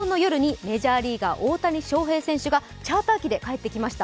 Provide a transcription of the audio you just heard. ＷＢＣまであと１週間ですが昨日の夜にメジャーリーガー・大谷翔平選手がチャーター機で帰ってきました。